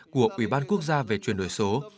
của ủy ban quốc gia về chuyển đổi số